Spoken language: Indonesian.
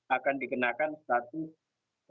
akan dikenakan status mudik